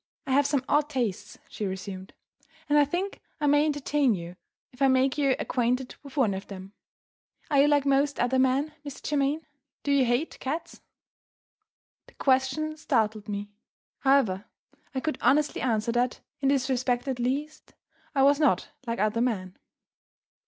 "I have some odd tastes," she resumed; "and I think I may entertain you if I make you acquainted with one of them. Are you like most other men, Mr. Germaine? Do you hate cats?" The question startled me. However, I could honestly answer that, in this respect at least, I was not like other men.